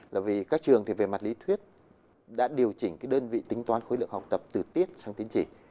là vì các trường thì về mặt lý thuyết đã điều chỉnh cái đơn vị tính toán khối lượng học tập từ tiết sang tiến chỉ